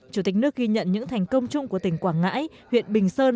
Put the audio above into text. chủ tịch nước ghi nhận những thành công chung của tỉnh quảng ngãi huyện bình sơn